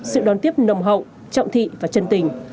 sự đón tiếp nồng hậu trọng thị và chân tình